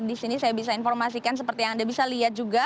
di sini saya bisa informasikan seperti yang anda bisa lihat juga